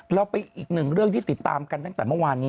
เราไปอีกหนึ่งเรื่องที่ติดตามกันตั้งแต่เมื่อวานนี้